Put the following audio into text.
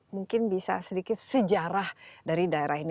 mungkin bisa sedikit sejarah dari daerah ini